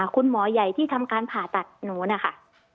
คุณหมอใหญ่ที่ทำการผ่าตัดหนูนะคะ